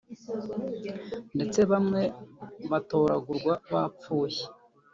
ndetse bamwe batoragurwa bapfuye